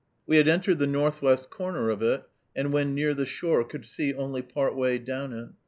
We had entered the northwest corner of it, and when near the shore could see only part way down it.